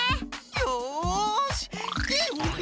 よし。